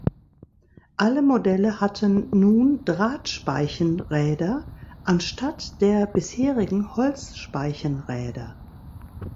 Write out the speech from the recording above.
Alle Modelle hatten nun Drahtspeichenräder anstatt der bisherigen Holzspeichenräder.